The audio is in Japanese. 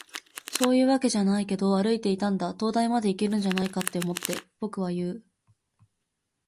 「そういうわけじゃないけど、歩いていたんだ。灯台までいけるんじゃないかって思って。」、僕は言う。